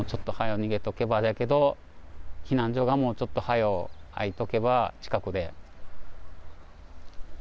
逃げとけばじゃけど、避難所がもうちょっとはよう開いとけば、近くで。